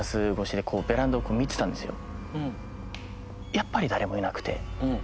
やっぱり誰もいなくて。